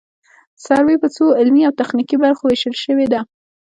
سروې په څو علمي او تخنیکي برخو ویشل شوې ده